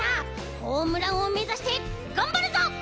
ホームランをめざしてがんばるぞ！